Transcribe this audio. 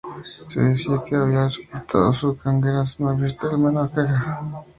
Se decía que había soportado su ceguera sin manifestar la menor queja al respecto.